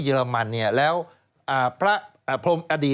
สวัสดีค่ะต้อนรับคุณบุษฎี